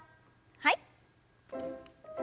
はい。